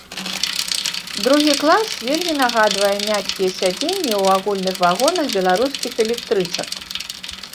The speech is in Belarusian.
Другі клас вельмі нагадвае мяккія сядзенні ў агульных вагонах беларускіх электрычак.